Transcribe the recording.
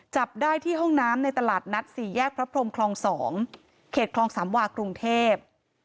จับได้ที่ห้องน้ำในตลาดนัด๔แยกพระพรมคลอง๒เขตคลองสามวากรุงเทพ